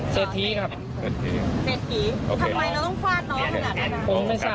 เสียงของหนึ่งในผู้ต้องหานะครับ